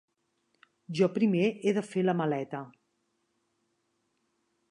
Jo primer he de fer la maleta.